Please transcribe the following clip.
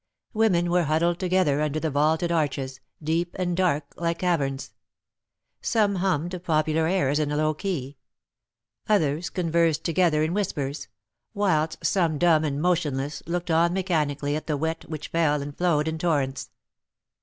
Women were huddled together under the vaulted arches, deep and dark, like caverns; some hummed popular airs in a low key; others conversed together in whispers; whilst some, dumb and motionless, looked on mechanically at the wet, which fell and flowed in torrents.